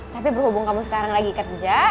tapi berhubung kamu sekarang lagi kerja